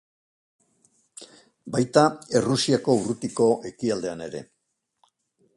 Baita, Errusiako urrutiko ekialdean ere.